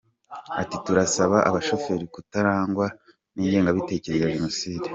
Ati “Turasaba abashoferi kutarangwa n’ingengabitekerezo ya Jenoside.